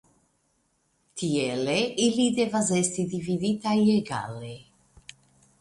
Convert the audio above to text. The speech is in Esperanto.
Tiele ili devas esti dividitaj egale.